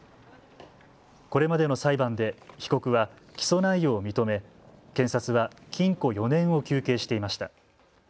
これまでの裁判で被告は起訴内容を認め、検察は禁錮４年を求刑していました。